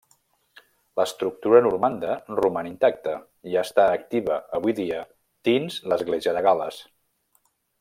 L'estructura normanda roman intacta i està activa avui dia dins l'Església de Gal·les.